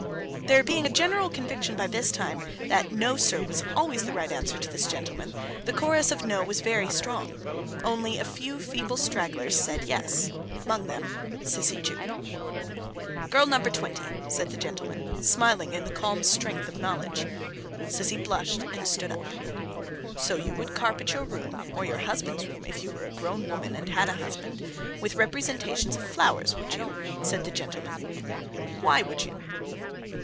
There being a general conviction by this time that 'No, sir!' was always the right answer to this gentleman, the chorus of NO was very strong. Only a few feeble stragglers said Yes: among them Sissy Jupe. 'Girl number twenty,' said the gentleman, smiling in the calm strength of knowledge. Sissy blushed, and stood up. 'So you would carpet your room—or your husband's room, if you were a grown woman, and had a husband—with representations of flowers, would you?' said the gentleman. 'Why would you?